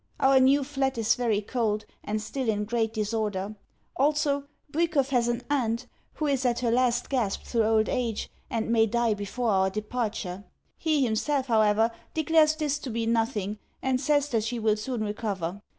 Our new flat is very cold, and still in great disorder. Also, Bwikov has an aunt who is at her last gasp through old age, and may die before our departure. He himself, however, declares this to be nothing, and says that she will soon recover.